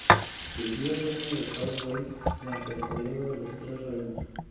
Sirvió al reino de Cao Wei durante el período de los Tres Reinos.